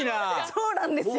そうなんですよ